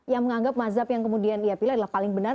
yang menganggap mazhab yang kemudian ia pilih adalah paling benar